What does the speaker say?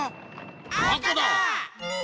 あかだ！